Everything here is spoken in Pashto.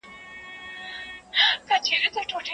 که استاد خپلواکي ورکړي شاګرد به ښه څېړنه وکړي.